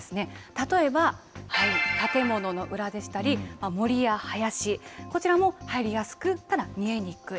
例えば、建物の裏でしたり森や林、こちらも入りやすくただ見えにくい。